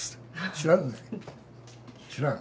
知らん？